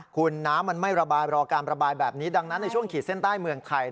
คุณน้ำมันไม่ระบายรอการระบายแบบนี้ดังนั้นในช่วงขีดเส้นใต้เมืองไทย